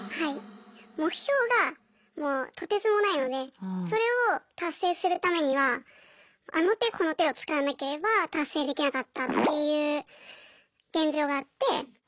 目標がもうとてつもないのでそれを達成するためにはあの手この手を使わなければ達成できなかったっていう現状があって。